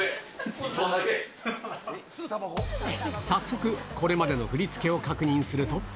早速、これまでの振り付けを確認すると。